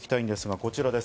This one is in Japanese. こちらです。